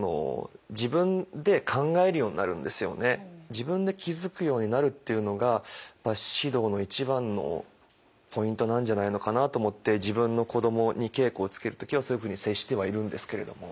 自分で気づくようになるっていうのが指導の一番のポイントなんじゃないのかなと思って自分の子どもに稽古をつける時はそういうふうに接してはいるんですけれども。